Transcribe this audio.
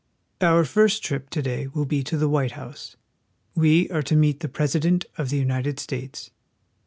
OUR first trip to day will be to the White House. We are to meet the President of the United States.